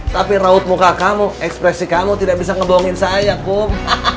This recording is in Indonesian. tapi raut muka kamu ekspresi kamu tidak bisa ngebongin saya kum